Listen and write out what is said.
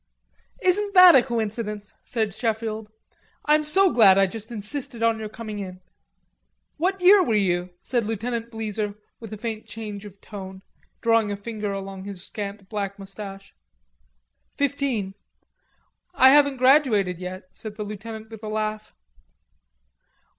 "Isn't that a coincidence?" said Sheffield. "I'm so glad I just insisted on your coming in." "What year were you?" asked Lieutenant Bleezer, with a faint change of tone, drawing a finger along his scant black moustache. "Fifteen." "I haven't graduated yet," said the lieutenant with a laugh.